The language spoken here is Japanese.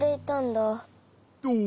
どう？